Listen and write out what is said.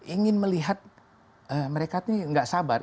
ingin melihat mereka ini nggak sabar